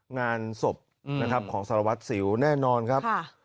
งานสบของสรวจสิวแน่นอนครับ